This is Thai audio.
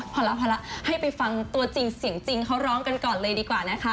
พอแล้วพอละให้ไปฟังตัวจริงเสียงจริงเขาร้องกันก่อนเลยดีกว่านะคะ